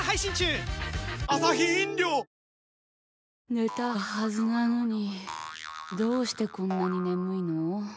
寝たはずなのにどうしてこんなに眠いの。